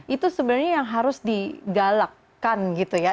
itu sebenarnya yang harus digalakkan gitu ya